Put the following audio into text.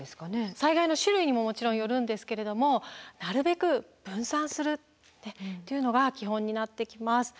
災害の種類にももちろんよるんですけれどもなるべく分散するっていうのが基本になってきます。